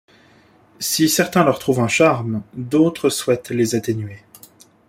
Si certains leur trouvent un charme, d’autres souhaitent les atténuer.